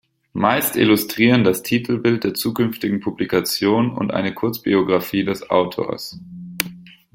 Meist illustrieren das Titelbild der zukünftigen Publikation und eine Kurzbiografie des Autors.